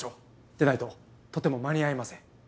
でないととても間に合いません。